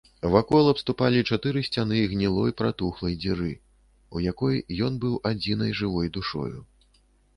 Вакол абступалі чатыры сцяны гнілой пратухлай дзіры, у якой ён быў адзінай жывой душою.